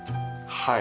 はい。